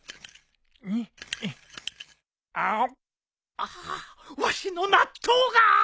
ああっわしの納豆が！